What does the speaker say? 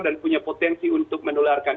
dan punya potensi untuk menularkan